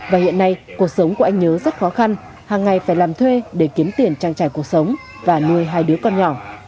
và hiện nay cuộc sống của anh nhớ rất khó khăn hàng ngày phải làm thuê để kiếm tiền trang trải cuộc sống và nuôi hai đứa con nhỏ